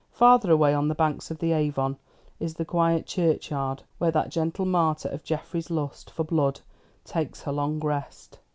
Farther away, on the banks of the Avon, is the quiet churchyard where that gentle martyr of Jeffreys's lust for blood takes her long rest.